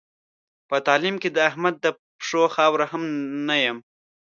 په تعلیم کې د احمد د پښو خاوره هم نه یم.